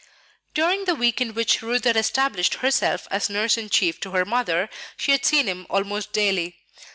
During the week in which Ruth had established herself as nurse in chief to her mother she had seen him almost daily.